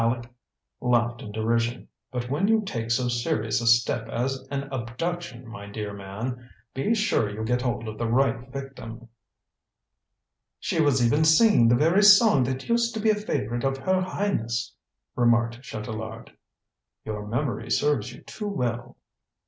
Aleck laughed in derision. "But when you take so serious a step as an abduction, my dear man, be sure you get hold of the right victim." "She was even singing the very song that used to be a favorite of her Highness!" remarked Chatelard. "Your memory serves you too well."